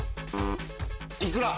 いくら。